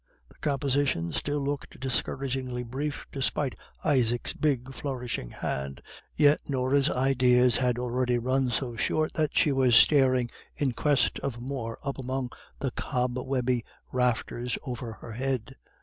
The composition still looked discouragingly brief, despite Isaac's big, flourishing hand, yet Norah's ideas had already run so short that she was staring in quest of more up among the cobwebby rafters over her head.